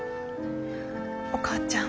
お母ちゃん。